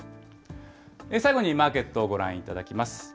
最後にマーケットをご覧いただきます。